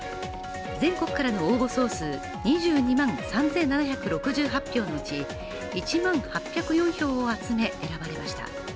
全国からの応募総数２２万３７６８票のうち１万８０４票を集め選ばれました。